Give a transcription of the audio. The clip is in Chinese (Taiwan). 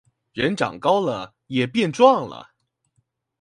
人長高了也變壯了